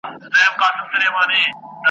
لاس مو تل د خپل ګرېوان په وینو سور دی !.